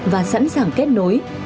và sẵn sàng kết nối